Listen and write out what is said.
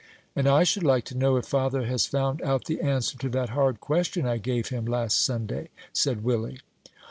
"And I should like to know if father has found out the answer to that hard question I gave him last Sunday?" said Willie.